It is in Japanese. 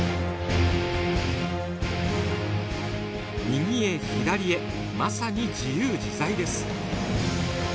右へ左へまさに自由自在です。